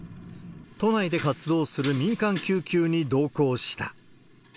都内で活動する民間救急に同行した。